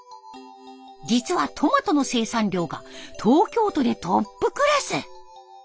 実はトマトの生産量が東京都でトップクラス。